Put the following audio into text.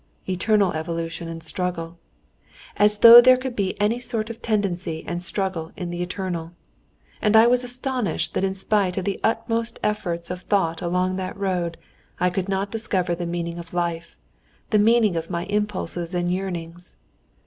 —Eternal evolution and struggle.... As though there could be any sort of tendency and struggle in the eternal! And I was astonished that in spite of the utmost effort of thought along that road I could not discover the meaning of life, the meaning of my impulses and yearnings.